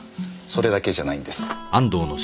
それだけじゃないんです。